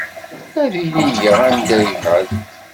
Ad inigeɣ anda yebɛed.